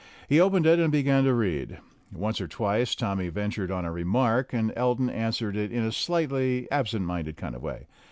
He opened it and began to read. Once or twice Tommy ventured on a remark, and Elton answered in a slightly absent minded kind of way.